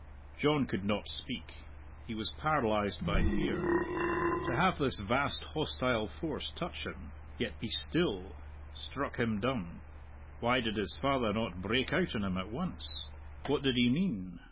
John could not speak; he was paralyzed by fear. To have this vast hostile force touch him, yet be still, struck him dumb. Why did his father not break out on him at once? What did he mean?